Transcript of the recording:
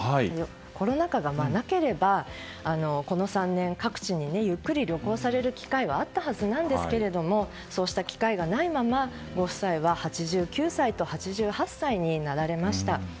コロナ禍がなければこの３年、各地にゆっくり旅行される機会はあったはずなんですがそうした機会がないままご夫妻は８９歳と８８歳になられました。